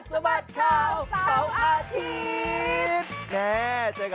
สวัสดีค่ะ